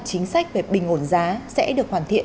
chính sách về bình ổn giá sẽ được hoàn thiện